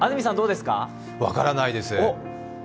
分からないです。